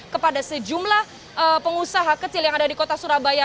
kepada sejumlah pengusaha kecil yang ada di kota surabaya